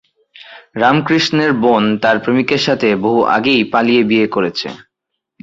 রামকৃষ্ণের বোন তার প্রেমিকের সাথে বহু আগেই পালিয়ে বিয়ে করেছে।